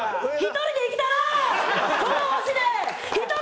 １人で生きたらぁ！